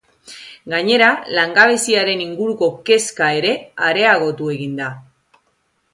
Gainera langabeziaren inguruko kezka ere areagotu egin da.